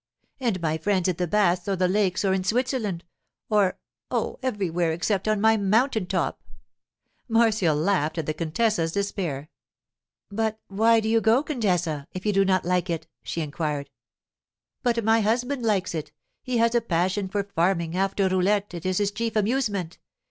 And my friends at the baths or the lakes or in Switzerland, or—oh, everywhere except on my mountain top!' Marcia laughed at the contessa's despair. 'But why do you go, contessa, if you do not like it?' she inquired. 'But my husband likes it. He has a passion for farming; after roulette, it it his chief amusement.